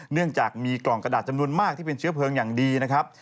เนื่องจากมีกล่องกระดาษจำนวนมากที่เป็นเชื้อเพลิงอย่างดีนะครับ